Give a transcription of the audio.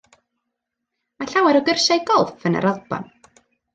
Mae llawer o gyrsiau golff yn yr Alban.